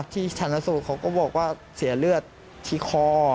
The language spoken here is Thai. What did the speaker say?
ที่ชันสูตรเขาก็บอกว่าเสียเลือดที่คอ